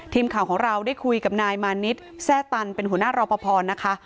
ทีมข่าวของเราได้คุยกับนายมานิดแซ่ตันเป็นหัวหน้ารอปภนะคะ